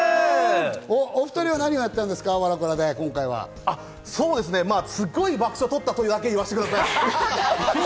お２人は何をやっているんですごく爆笑をとったということだけは言わせてください。